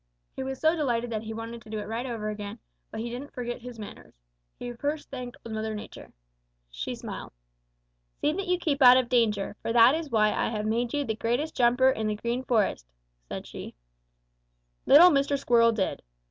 "He was so delighted that he wanted to do it right over again, but he didn't forget his manners. He first thanked Old Mother Nature. "She smiled. 'See that you keep out of danger, for that is why I have made you the greatest jumper in the Green Forest,' said she. "Little Mr. Squirrel did.